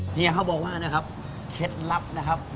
เฮียเขาบอกว่านะครับ